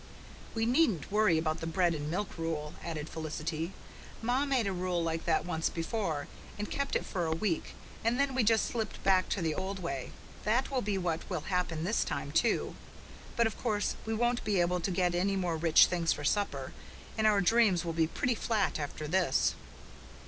"We needn't worry about the bread and milk rule," added Felicity. "Ma made a rule like that once before, and kept it for a week, and then we just slipped back to the old way. That will be what will happen this time, too. But of course we won't be able to get any more rich things for supper, and our dreams will be pretty flat after this."